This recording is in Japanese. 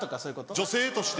・女性として？